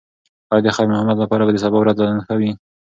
ایا د خیر محمد لپاره به د سبا ورځ له نن ښه وي؟